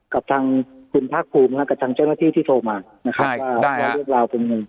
กับทางคุณพระคุณและกับทางเจ้าหน้าที่ที่โทรมานะครับได้ได้ฮะ